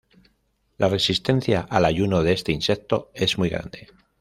La resistencia al ayuno de este insecto es muy grande.